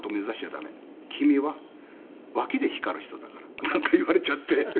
「君は脇で光る人だから」なんか言われちゃって。